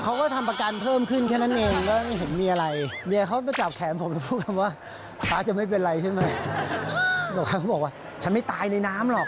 เขาก็ทำประกันเพิ่มขึ้นแค่นั่นเองก็ไม่เห็นมีอะไร